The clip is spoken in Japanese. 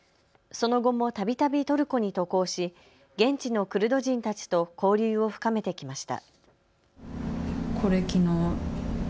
その後もたびたびトルコに渡航し現地のクルド人たちと交流を深めてきました。